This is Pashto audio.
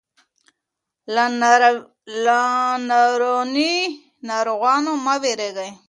له رواني ناروغانو مه ویریږئ.